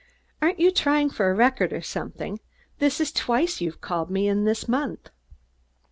"Aren't you trying for a record or something? This is twice you've called on me this month."